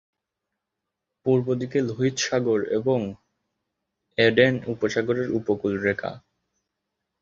পূর্ব দিকে লোহিত সাগর এবং এডেন উপসাগরের উপকূলরেখা।